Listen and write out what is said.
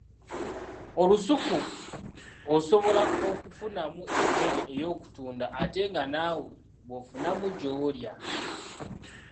Olusuku osobola okufunamu emmere ey’okutunda ate nga naawe bw’ofunamu gy’olya.